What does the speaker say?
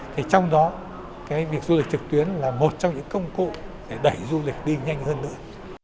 thì trong đó cái việc du lịch trực tuyến là một trong những công cụ để đẩy du lịch đi nhanh hơn nữa